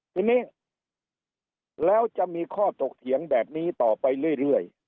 ทีนี้แล้วจะมีข้อถกเถียงแบบนี้ต่อไปเรื่อย